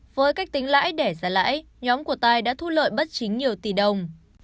với cách tính lãi để ra lãi nhóm của tài đã thu lợi bất chính nhiều tỷ đồng